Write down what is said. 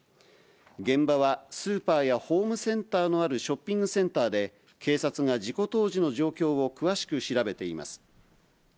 現場は、スーパーやホームセンターのあるショッピングセンターで、警察が事故当時の状況を詳しく調べています。